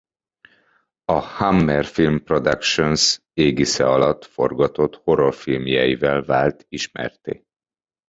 A Hammer Film Productions égisze alatt forgatott horrorfilmjeivel vált ismertté.